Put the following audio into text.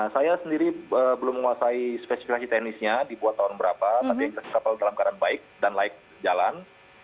saya sendiri belum menguasai spesifikasi teknisnya dibuat tahun berapa tapi kapal dalam keadaan baik dan layak jalan